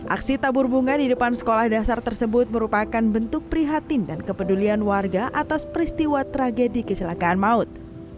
aksi tabur bunga di depan sekolah dasar tersebut merupakan bentuk prihatin dan kepedulian warga atas peristiwa tragedi kecelakaan maut